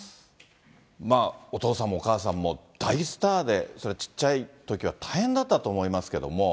お父さんもお母さんも大スターで、それはちっちゃいときは大変だったと思いますけども。